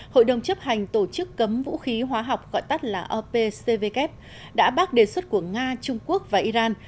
hội đồng chấp hành tổ chức cấm vũ khí hóa học gọi tắt là opcvk đã bác đề xuất của nga trung quốc và iran